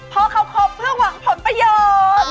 เพราะเขาครบเพื่อหวังผลประโยชน์